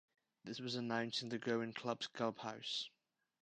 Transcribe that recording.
This was announced in the Goan clubs Club House.